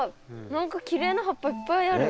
何かきれいな葉っぱいっぱいある。